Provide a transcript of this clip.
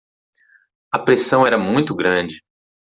A pressão era muito grande